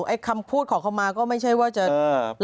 ไอ้คำพูดขอคำมาก็ไม่ใช่ว่าจะรับผิด